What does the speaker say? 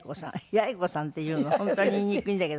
「八重子さん」って言うの本当に言いにくいんだけど。